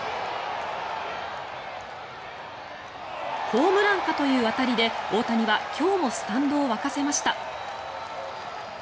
ホームランかという当たりで大谷は今日もスタンドを沸かせました。